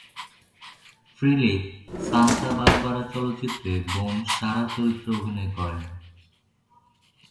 ফ্রিলিক "Santa Barbara" চলচ্চিত্রে বোন Sarah চরিত্রে অভিনয় করেন।